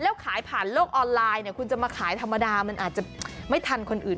แล้วขายผ่านโลกออนไลน์เนี่ยคุณจะมาขายธรรมดามันอาจจะไม่ทันคนอื่น